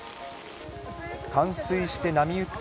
冠水して波打つ